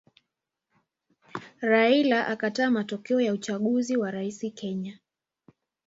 Raila akataa matokeo ya uchaguzi wa rais Kenya